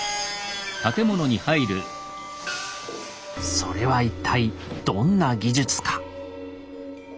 それは一体どんな技術か。